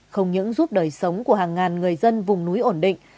không những giúp đời sống của hàng ngàn người dân vùng núi ổn định